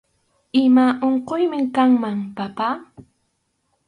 Ima unquymi kanman, papá